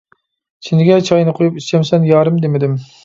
چىنىگە چاينى قويۇپ، ئىچەمسەن يارىم دېمىدىم.